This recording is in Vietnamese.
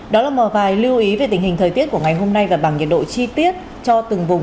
đó là một vài lưu ý về tình hình thời tiết của ngày hôm nay và bằng nhiệt độ chi tiết cho từng vùng